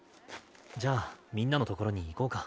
じゃあみんなのところに行こうか。